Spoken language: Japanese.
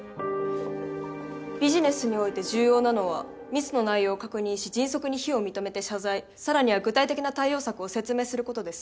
ビジネスにおいて重要なのはミスの内容を確認し迅速に非を認めて謝罪さらには具体的な対応策を説明する事です。